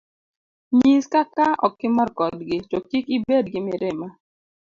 Nyis kaka okimor kodgi, to kik ibed gi mirima.